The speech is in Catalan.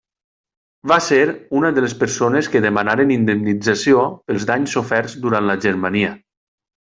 Va ser una de les persones que demanaren indemnització pels danys soferts durant la Germania.